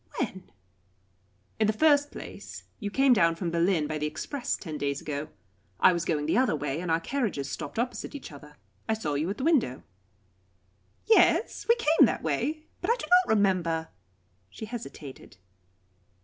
"When?" "In the first place, you came down from Berlin by the express, ten days ago. I was going the other way, and our carriages stopped opposite each other. I saw you at the window." "Yes we came that way, but I do not remember " She hesitated.